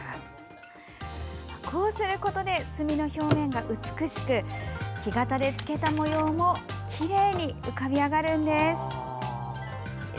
こうすることで墨の表面が美しく木型で付けた模様もきれいに浮かび上がるんです。